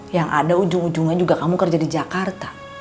yang ada ujung ujungnya juga kamu kerja di jakarta